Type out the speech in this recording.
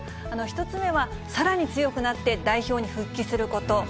１つ目はさらに強くなって代表に復帰すること。